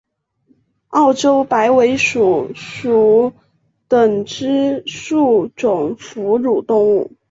澳洲白尾鼠属等之数种哺乳动物。